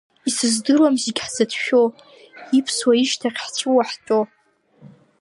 Исыздыруам зегь ҳзацәшәо, иԥсуа ишьҭахь ҳҵәуо ҳтәо.